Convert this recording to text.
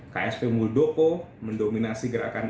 ksp muldoko mendominasi gerakan